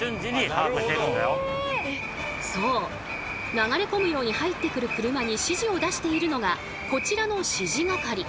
流れ込むように入ってくる車に指示を出しているのがこちらの指示係。